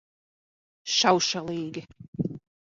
Šaušalīgi.